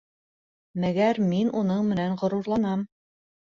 — Мәгәр мин уның менән ғорурланам.